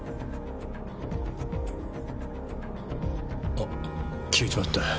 あ消えちまった。